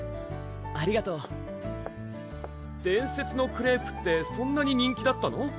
ありがとう「伝説のクレープ」ってそんなに人気だったの？